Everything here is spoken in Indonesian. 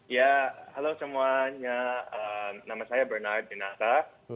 ya halo semuanya nama saya bernard jenasa